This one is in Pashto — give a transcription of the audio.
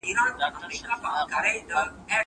زه سفر نه کوم.